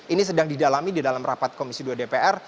ini sedang didalami di dalam rapat komisi dua dpr